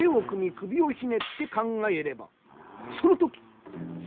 首をひねって考えればその時！